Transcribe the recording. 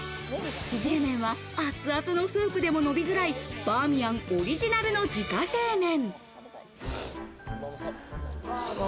ちぢれ麺は熱々のスープでも伸びづらいバーミヤンオリジナルの自家製麺。